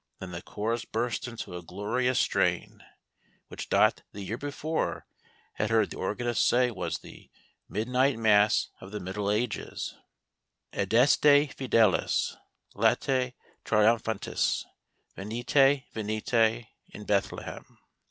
Then the chorus burst into a glo rious strain, which Dot the year before had heard the organist say was the " Midnight Mass of the Middle Ages ":" Adeste fidcles LcEti triumphantesy Venite, Venite, In Bethlehem